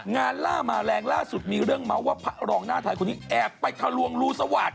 ล่ามาแรงล่าสุดมีเรื่องเมาส์ว่าพระรองหน้าไทยคนนี้แอบไปทะลวงรูสวาสต